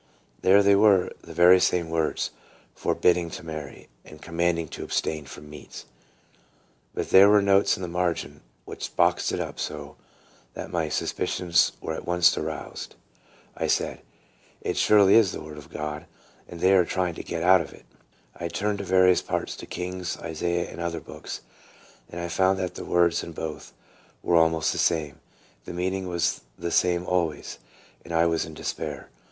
There they were, the very same words, "forbidding to marry," and "com manding to abstain from meats." But there were notes in the margin, which boxed it up so, that my suspicions were at once aroused. I said, " It surely is the word of God, and they are trying to get out of it." I turned to various parts, to Kings, Isaiah, and other books, and I found that the words in both were almost the same, the meaning was the same always, and I was in despair.